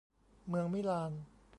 เมืองมิลาน